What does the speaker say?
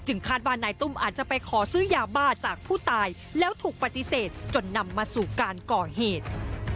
คาดว่านายตุ้มอาจจะไปขอซื้อยาบ้าจากผู้ตายแล้วถูกปฏิเสธจนนำมาสู่การก่อเหตุ